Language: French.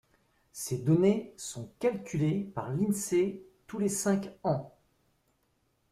Ces données sont calculées par l'Insee tous les cinq ans.